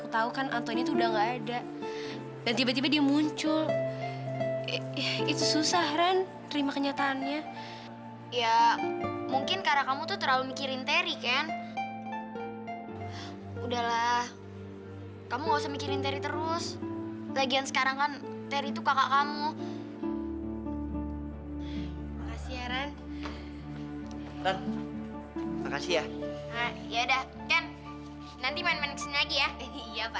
tadinya aku udah belanja